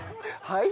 「はい？」。